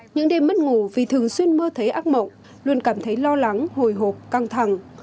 những đêm mất ngủ vì thường xuyên mơ thấy ác mộng luôn cảm thấy lo lắng hồi hộp căng thẳng